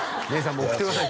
もう送ってください